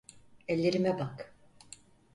Ellerime bak.